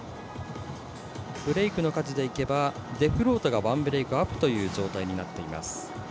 ブレークの数でいえばデフロートが１ブレークアップという状態になっています。